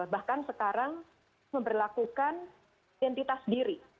bahkan sekarang memperlakukan identitas diri